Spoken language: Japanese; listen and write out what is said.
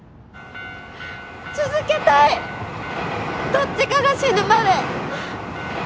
続けたいどっちかが死ぬまで。